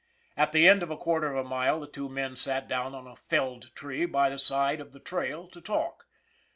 At the end of a quarter of a mile the two men sat down on a felled tree by the side of the trail to talk.